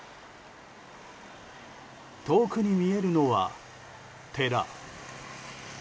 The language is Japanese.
遠くに見えるのは、寺。